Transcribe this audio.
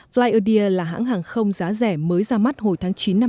flyardia là hãng hàng không giá rẻ mới ra mắt hồi tháng chín năm hai nghìn hai mươi